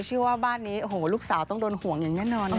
เชื่อว่าบ้านนี้โอ้โหลูกสาวต้องโดนห่วงอย่างแน่นอนนะคะ